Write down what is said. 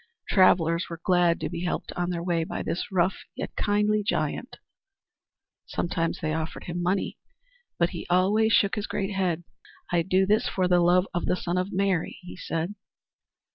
Travellers were glad to be helped on their way by this rough yet kindly giant. Sometimes they offered him money, but he always shook his great head. "I do this for the love of the Son of Mary," he said.